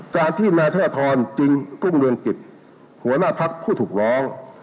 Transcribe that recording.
การที่นาธรรณ์จริงกุ้งเรือนกิจหัวหน้าพักผู้ถูกร้อง